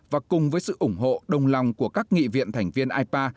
và cùng với sự ủng hộ đồng lòng của các nghị viện thành viên ipa